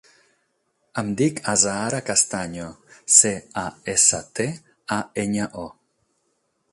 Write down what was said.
Em dic Azahara Castaño: ce, a, essa, te, a, enya, o.